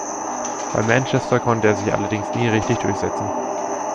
Bei Manchester konnte er sich allerdings nie richtig durchsetzen.